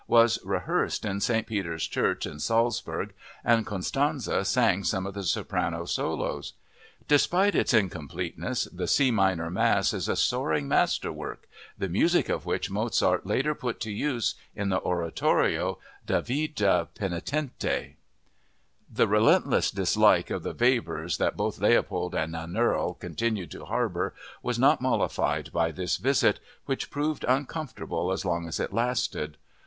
was rehearsed in St. Peter's Church in Salzburg, and Constanze sang some of the soprano solos. Despite its incompleteness the C minor Mass is a soaring masterwork, the music of which Mozart later put to use in the oratorio Davidde Penitente. The relentless dislike for the Webers that both Leopold and Nannerl continued to harbor was not mollified by this visit, which proved uncomfortable as long as it lasted.